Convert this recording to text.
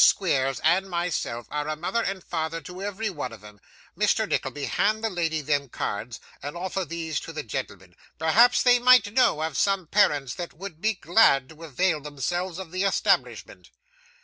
Squeers and myself are a mother and father to every one of 'em. Mr. Nickleby, hand the lady them cards, and offer these to the gentleman. Perhaps they might know of some parents that would be glad to avail themselves of the establishment.